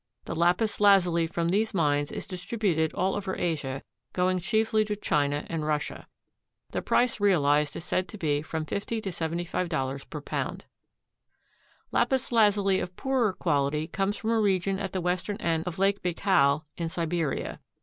The lapis lazuli from these mines is distributed all over Asia, going chiefly to China and Russia. The price realized is said to be from $50 to $75 per pound. Lapis lazuli of poorer quality comes from a region at the western end of Lake Baikal in Siberia.